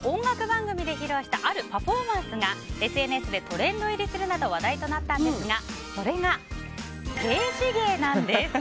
さて、深澤さんといえば音楽番組で披露したあるパフォーマンスがＳＮＳでトレンド入りするなど話題となったんですがそれが、静止芸なんです。